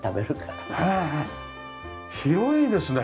広いですね。